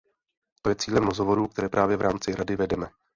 To je cílem rozhovorů, které právě v rámci Rady vedeme.